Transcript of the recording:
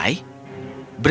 brittany mencari makhluk perih